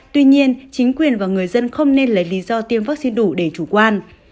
tuy nhiên chính quyền và người dân không nên lấy lý do tiêm vaccine đủ để chủ quan